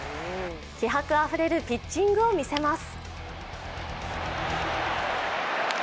気迫あふれるピッチングを見せます。